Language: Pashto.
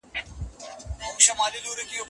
ټول انسانان د برابر ژوند حق لري.